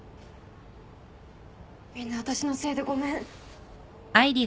みんな私のせいでごめん。